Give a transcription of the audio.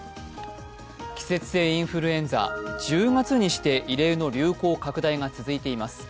季節性インフルエンザ、１０月にして異例の流行拡大が続いています。